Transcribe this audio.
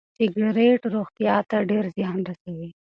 سګریټ روغتیا ته ډېر زیان رسوي.